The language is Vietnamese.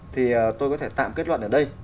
thì tôi có thể tạm kết luận ở đây